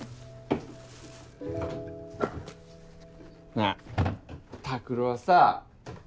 なぁ拓郎はさ